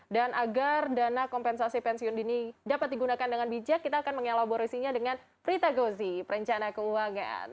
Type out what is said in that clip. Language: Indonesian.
dan agar dana kompensasi pensiun dini dapat digunakan dengan bijak kita akan mengelaborasinya dengan prita gozi perencana keuangan